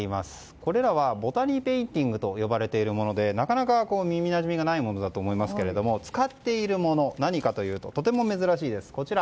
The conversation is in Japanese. これらはボタニーペインティングと呼ばれているものでなかなか耳なじみがないものだと思いますが使っているものはとても珍しいです、こちら。